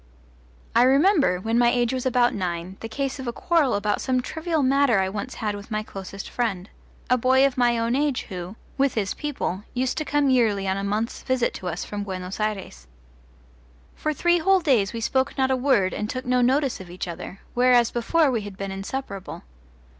I remember, when my age was about nine, the case of a quarrel about some trivial matter I once had with my closest friend, a boy of my own age who, with his people, used to come yearly on a month's visit to us from Buenos Ayres. For three whole days we spoke not a word and took no notice of each other, whereas before we had been inseparable.